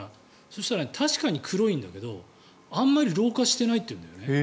そしたら、確かに黒いんだけどあまり老化してないっていうんだよね。